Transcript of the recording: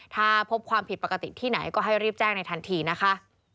ถ้าพบความผิดปกติที่ไหนก็ให้รีบแจ้งในทันทีนะคะ